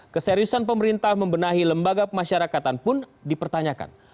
keseriusan pemerintah membenahi lembaga pemasyarakatan pun dipertanyakan